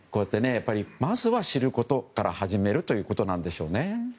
まずは知ることから始めるということなんでしょうね。